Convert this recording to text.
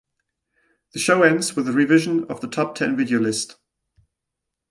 The show ends with a revision of the top ten video list.